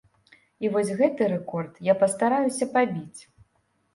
І вось гэты рэкорд я пастараюся пабіць.